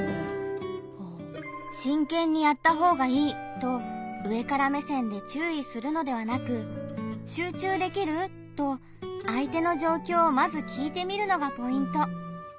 と上から目線で注意するのではなく「集中できる？」と相手の状況をまず聞いてみるのがポイント。